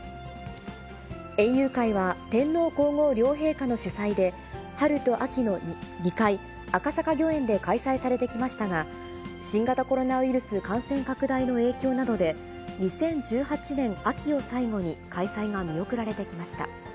園遊会は、天皇皇后両陛下の主催で、春と秋の２回、赤坂御苑で開催されてきましたが、新型コロナウイルス感染拡大の影響などで、２０１８年秋を最後に、開催が見送られてきました。